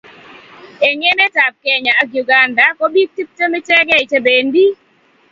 eng' emetab kenya ak uganda ko biik tiptem ichekei che bendi